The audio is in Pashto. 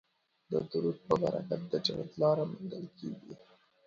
د درود په برکت د جنت لاره موندل کیږي